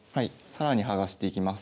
更に剥がしていきます。